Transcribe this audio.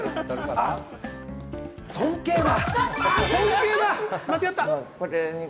尊敬だ！